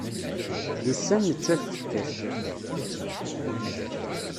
D ussan nettat tekkat.